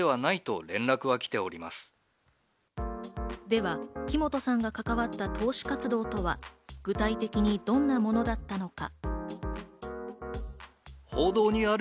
では、木本さんが関わった投資活動とは具体的にどんなものだったのか？